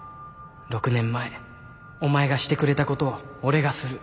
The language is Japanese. ６年前お前がしてくれたことを俺がする。